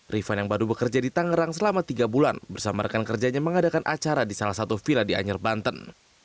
rifan yang baru bekerja di tangerang selama tiga bulan bersama rekan kerjanya mengadakan acara di salah satu villa di anyer banten